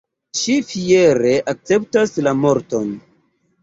Ŝi fiere akceptas la morton.